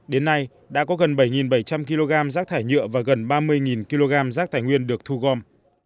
đến nay đã có gần bảy bảy trăm linh kg rác thải nhựa và gần ba mươi kg rác thải nguyên được thu gom